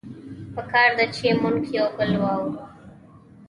پکار ده چې مونږه يو بل واورو